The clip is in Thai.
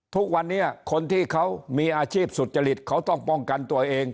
ทุกวันนี้คนที่เขามีอาชีพสุจริตเขาต้องป้องกันตัวเอง